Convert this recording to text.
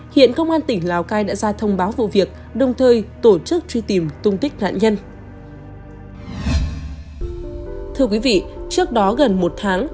hiện công an tỉnh lào cai đã ra thông báo vụ việc đồng thời tổ chức truy tìm tung tích nạn nhân